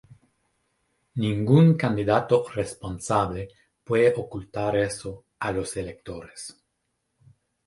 Ningún candidato responsable puede ocultar eso a los electores".